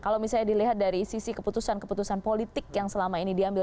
kalau misalnya dilihat dari sisi keputusan keputusan politik yang selama ini diambil